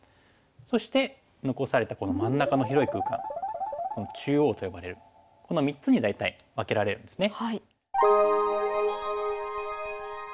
そして残されたこの真ん中の広い空間「中央」と呼ばれるこの３つに大体分けられるんですね。